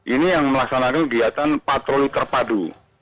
ini yang melaksanakan kegiatan patroli terpadu